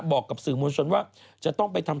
บอกกับสื่อมวลชนว่าจะต้องไปทำ